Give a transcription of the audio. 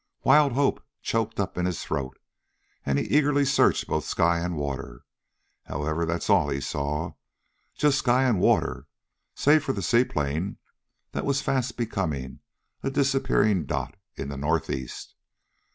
Wild hope choked up in his throat, and he eagerly searched both sky and water. However, that's all he saw. Just sky and water, save for the seaplane that was fast becoming a disappearing dot in the northeast.